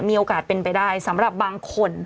มีโอกาสเป็นไปได้สำหรับบางคน